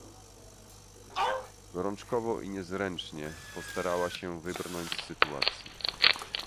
"Gorączkowo i niezręcznie postarała się wybrnąć z sytuacji."